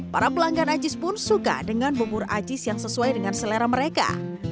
para pelanggan aziz pun suka dengan bubur aziz yang sesuai dengan selera mereka